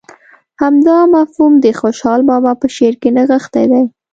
همدا مفهوم د خوشحال بابا په شعر کې نغښتی دی.